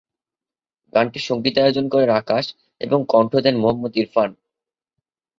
গানটির সংগীতায়োজন করেন আকাশ এবং কন্ঠ দেন মোহাম্মদ ইরফান।